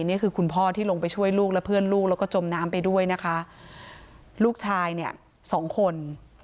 นี่คือคุณพ่อที่ลงไปช่วยลูกและเพื่อนลูกแล้วก็จมน้ำไปด้วยนะคะลูกชายเนี่ยสองคน